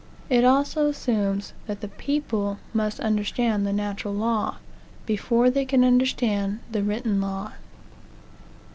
It also assumes that the people must understand the natural law, before they can understated the written law.